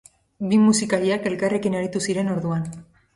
Bi musikariak elkarrekin aritu ziren orduan.